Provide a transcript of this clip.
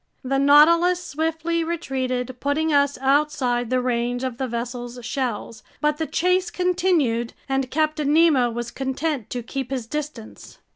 The Nautilus swiftly retreated, putting us outside the range of the vessel's shells. But the chase continued, and Captain Nemo was content to keep his distance.